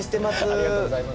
ありがとうございます。